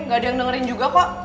gak ada yang dengerin juga kok